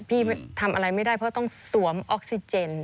พี่ทำอะไรไม่ได้เพราะต้องสวมออกซิเจน